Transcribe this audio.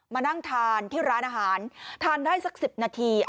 มานั่งทานที่ร้านอาหารทานได้สัก๑๐นาที